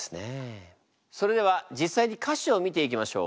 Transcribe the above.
それでは実際に歌詞を見ていきましょう。